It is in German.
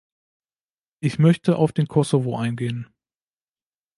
Ich möchte auf den Kosovo eingehen.